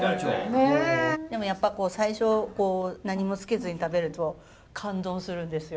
でもやっぱ最初何もつけずに食べると感動するんですよ。